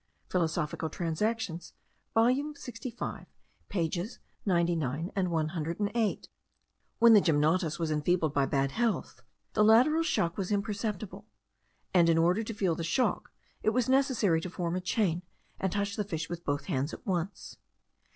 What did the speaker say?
Philosophical Transactions volume 65 pages 99 and 108. When the gymnotus was enfeebled by bad health, the lateral shock was imperceptible; and in order to feel the shock, it was necessary to form a chain, and touch the fish with both hands at once.